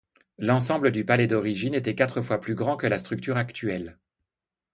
L'ensemble du palais d'origine était quatre fois plus grand que la structure actuelle.